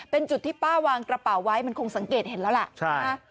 เป็นจุดที่ป้าวางกระเป๋าไว้มันคงสังเกตเห็นแล้วล่ะ